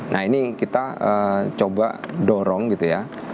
nah ini kita coba dorong gitu ya